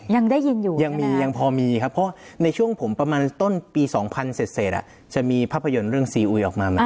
ยังได้ยินอยู่ยังมียังพอมีครับเพราะในช่วงผมประมาณต้นปี๒๐๐เสร็จจะมีภาพยนตร์เรื่องซีอุยออกมาไหม